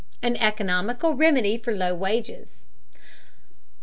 AN ECONOMICAL REMEDY FOR LOW WAGES.